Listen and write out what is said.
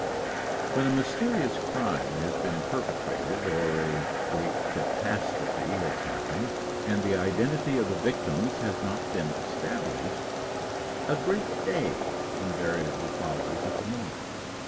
When a mysterious crime has been perpetrated, or a great catastrophe has happened, and the identity of the victims has not been established, "a great day" invariably follows at the Morgue.